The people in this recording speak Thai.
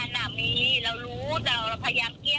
ไม่ได้อยากจะเรื่องกับภรรยาเค้า